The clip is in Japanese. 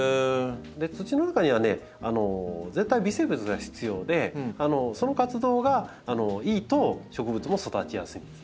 土の中にはね絶対微生物が必要でその活動がいいと植物も育ちやすいんですね。